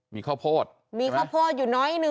มีข้าวโพดอยู่น้อยนึง